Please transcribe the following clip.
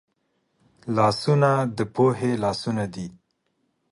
لاسونه د پوهې لاسونه دي